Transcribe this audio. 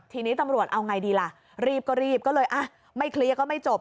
ทีนี้ตำรวจเอาไงดีล่ะรีบก็รีบก็เลยอ่ะไม่เคลียร์ก็ไม่จบ